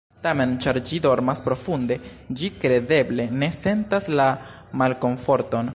Tamen, ĉar ĝi dormas profunde, ĝi kredeble ne sentas la malkomforton.